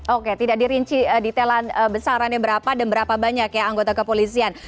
oke tidak dirinci detailan besarannya berapa dan berapa banyak ya anggota kepolisian